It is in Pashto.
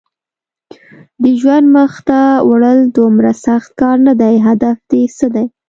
د ژوند مخته وړل دومره سخت کار نه دی، هدف دې څه دی؟